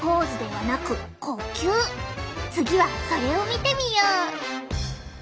次はそれを見てみよう！